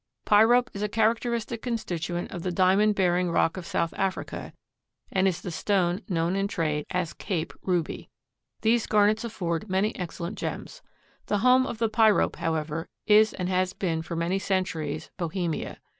Pyrope is a characteristic constituent of the diamond bearing rock of South Africa, and is the stone known in trade as "Cape ruby." These garnets afford many excellent gems. The home of the pyrope, however, is and has been for many centuries, Bohemia.